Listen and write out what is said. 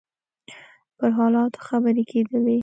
پر حالاتو خبرې کېدلې.